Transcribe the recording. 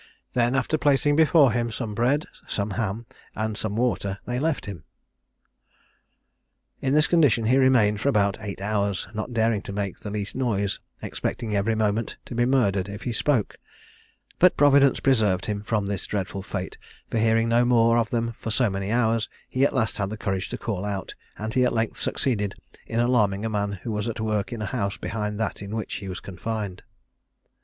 Then, after placing before him some bread, some ham, and some water, they left him. In this condition he remained for about eight hours, not daring to make the least noise, expecting every moment to be murdered if he spoke: but Providence preserved him from this dreadful fate; for, hearing no more of them for so many hours, he at last had the courage to call out, and he at length succeeded in alarming a man who was at work in a house behind that in which he was confined.